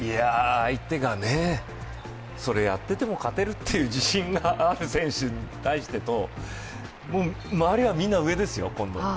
相手がそれやってても勝てるという自信がある選手に対して周りはみんな上ですよ、今度。